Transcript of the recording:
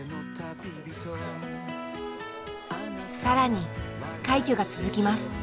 更に快挙が続きます。